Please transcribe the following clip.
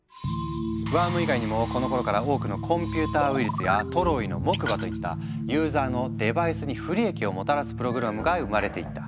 ワーム以外にもこのころから多くの「コンピューターウイルス」や「トロイの木馬」といったユーザーのデバイスに不利益をもたらすプログラムが生まれていった。